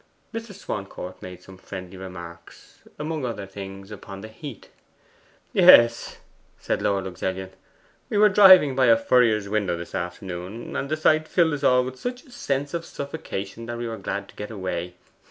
Mr. Swancourt made some friendly remarks among others things upon the heat. 'Yes,' said Lord Luxellian, 'we were driving by a furrier's window this afternoon, and the sight filled us all with such a sense of suffocation that we were glad to get away.